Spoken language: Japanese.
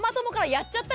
「やっちゃった！」